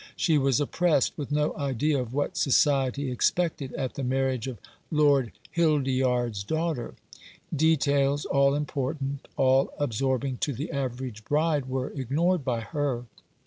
She was oppressed with no idea of what society expected at the marriage of Lord Hild yard's daughter. Details all important, all absorb ing to the average bride, were ignored by her.